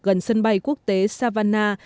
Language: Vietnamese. gần sân bay quốc tế savannah